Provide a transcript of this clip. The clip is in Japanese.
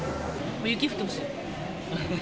雪降ってほしい。